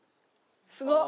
すごっ！